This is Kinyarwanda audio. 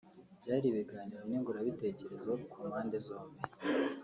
byari ibiganiro nyunguranabitekerezo ku mpande zombi